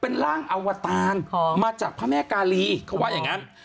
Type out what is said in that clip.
เป็นร่างอวตารมาจากพระแม่กาลีเขาว่าอย่างนั้น